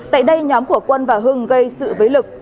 tại đây nhóm của quân và hưng gây sự với lực